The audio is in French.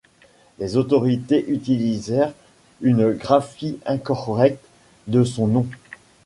Les autorités utilisèrent une graphie incorrecte de son nom.